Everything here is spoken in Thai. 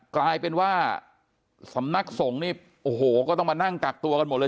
กลายเป็นว่าสำนักสงฆ์นี่โอ้โหก็ต้องมานั่งกักตัวกันหมดเลย